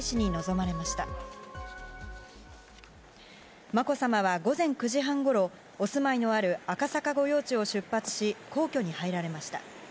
まこさまは午前９時半ごろお住まいのある赤坂御用地を出発し皇居に入られました。